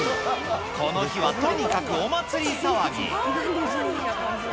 この日はとにかくお祭り騒ぎ。